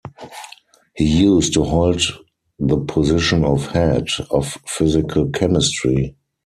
He used to hold the position of head of physical chemistry.